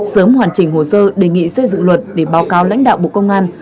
sớm hoàn chỉnh hồ sơ đề nghị xây dựng luật để báo cáo lãnh đạo bộ công an